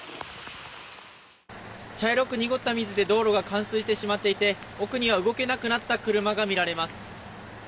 茶色く濁った水で道路が冠水してしまっていて奥には動けなくなった車が見られます。